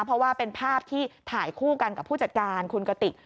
เพราะว่าเป็นภาพที่ถ่ายคู่กันกับผู้จัดการคุณกติก